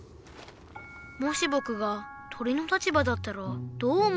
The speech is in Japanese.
もしぼくが鳥の立場だったらどう思うだろう。